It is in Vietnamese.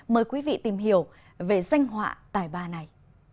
mời quý vị tìm hiểu về danh họa tài ba này